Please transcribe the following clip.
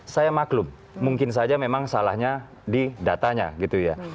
saya maklum mungkin saja memang salahnya di datanya gitu ya